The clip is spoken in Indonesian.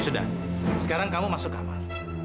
sudah sekarang kamu masuk kamar